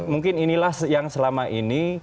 mungkin inilah yang selama ini